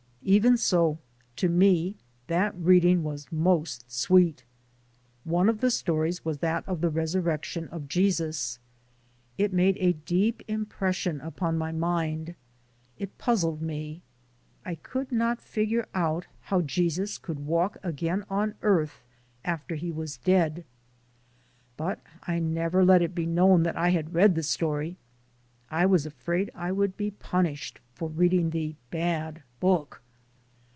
Even so, to me that reading was most sweet. One of the stories was that of the Resurrection of Jesus. It made a deep impression upon my mind. It puzzled me; I could not figure out how Jesus could walk again on earth after he was dead. But I never let it be known that I had read the story. I was afraid I would be punished for reading the "Bad Book."